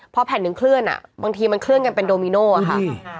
พอแผ่นหนึ่งเคลื่อนบางทีมันเคลื่อนกันเป็นโดมิโน่ค่ะ